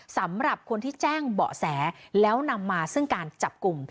สำหรับคนที่แจ้งเบาะแสแล้วนำมาซึ่งการจับกลุ่ม